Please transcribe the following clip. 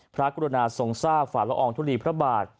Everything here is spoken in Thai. กรุณาทรงทราบฝ่าละอองทุลีพระบาท